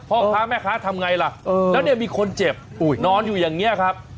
พ่อค้าแม่ค้าทำไงล่ะแล้วเนี่ยมีคนเจ็บนอนอยู่อย่างนี้ครับ